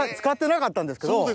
使ってなかったんですけど。